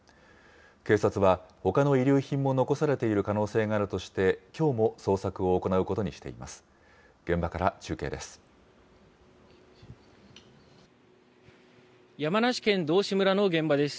警察は、ほかの遺留品も残されている可能性があるとして、きょうも捜索を行うことにしています。